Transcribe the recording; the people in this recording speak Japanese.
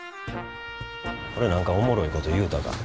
俺何かおもろいこと言うたか？